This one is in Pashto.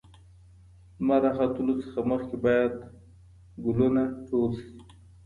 لمر راختلو نه مخکې باید ګلونه ټول شي.